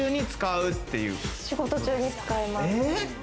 仕事中に使います。